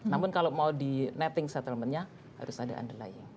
namun kalau mau di netting settlement nya harus ada underlying